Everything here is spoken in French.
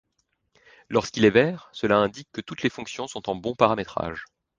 Lorsqu'il est vert, cela indique que toutes les fonctions sont en bon paramétrage.